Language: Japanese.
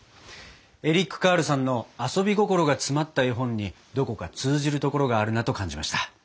エリック・カールさんの遊び心が詰まった絵本にどこか通じるところがあるなと感じました。